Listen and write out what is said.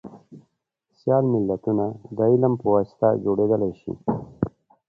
سیال ملتونه دعلم په واسطه جوړیدلی شي